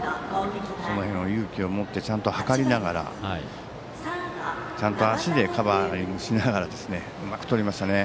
その辺は勇気を持ってちゃんと測りながらちゃんと足でカバーリングしながらうまくとりましたね。